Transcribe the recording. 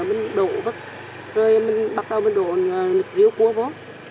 mình đổ vứt rồi mình bắt đầu đổ nước rượu cua vô